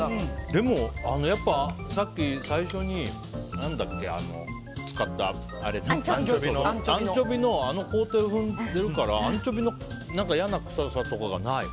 でも、さっき最初に使ったアンチョビの工程を踏んでるからアンチョビの嫌な臭さとかがない。